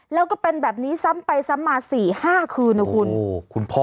แล้วก็เป็นแบบนี้ซ้ำไปซ้ำมาสี่ห้าคืนนะคุณโอ้คุณพ่อ